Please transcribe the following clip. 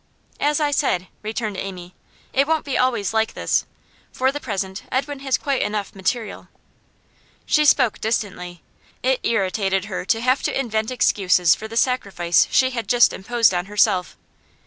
'As I said,' returned Amy, 'it won't be always like this. For the present, Edwin has quite enough "material."' She spoke distantly; it irritated her to have to invent excuses for the sacrifice she had just imposed on herself.